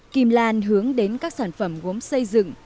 kim lan hướng đến các sản phẩm gốm xây dựng